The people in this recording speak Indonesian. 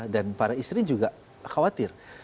dan para istri juga khawatir